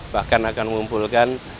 bahkan akan mengumpulkan